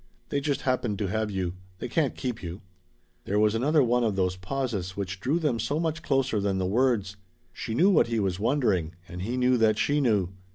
"They just happened to have you. They can't keep you." There was another one of those pauses which drew them so much closer than the words. She knew what he was wondering, and he knew that she knew.